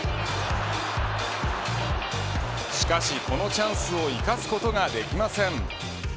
しかし、このチャンスを生かすことができません。